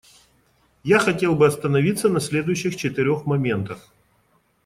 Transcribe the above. Я хотел бы остановиться на следующих четырех моментах.